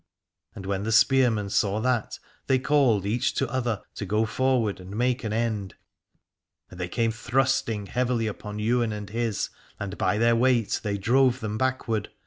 And when the spearmen saw that they called each to other to go forward and make an end, and they came thrusting heavily upon Ywain and his, and by their weight they drove them backward.